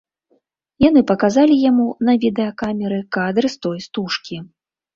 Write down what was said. Яны паказалі яму на відэакамеры кадры з той стужкі.